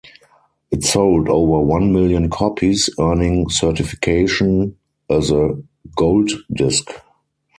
It sold over one million copies, earning certification as a gold disc.